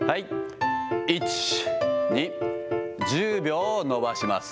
１、２、１０秒伸ばします。